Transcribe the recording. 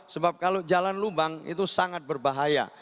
sebab kalau jalan lubang itu sangat berbahaya